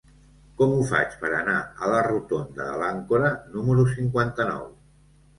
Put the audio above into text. Com ho faig per anar a la rotonda de l'Àncora número cinquanta-nou?